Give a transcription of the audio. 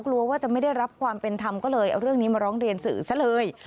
กลัวว่าจะไม่ได้รับความเป็นธรรมก็เลยเอาเรื่องนี้มาร้องเรียนสื่อซะเลย